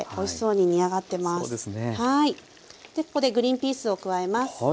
ここでグリンピースを加えます。